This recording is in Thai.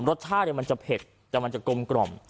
รสชาติมันจะเผ็ดแต่มันจะกลมกล่อม